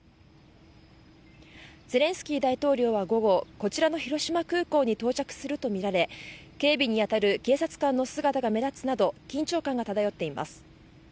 ゼレンスキー大統領は午後、こちらの広島空港に到着するとみられ警備に当たる警察官の姿が目立つなど緊張感が漂っています。